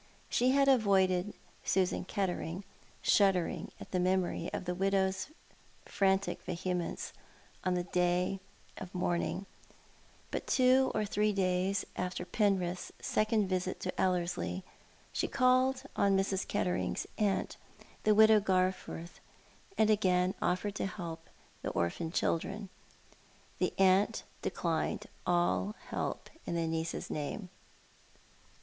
She had avoided Susan Kettering, shuddering at the memory of the widow's frantic vehemence in the day of mourning ; but two or three days after Penrith's second visit to Ellerslie she called on Mrs. Kettering's aunt, the widow Garforth, and again offered help for the orphan children. The aunt declined all help in tho niece's name.